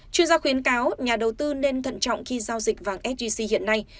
chuyên gia khuyến cáo nhà đầu tư nên thận trọng khi giao dịch vàng sgc hiện nay